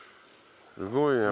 すごいね。